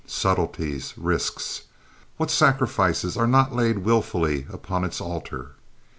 Subtleties! Risks! What sacrifices are not laid willfully upon its altar!